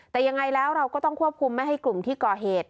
แต่ยังไงแล้วเราก็ต้องควบคุมไม่ให้กลุ่มที่ก่อเหตุ